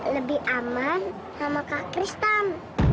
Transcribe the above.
lebih aman sama kak kristen